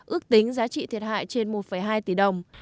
ước tính giá trị thiệt hại trên một hai tỷ đồng